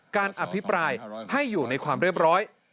การอภิปรายให้อยู่ในความเรียบร้อย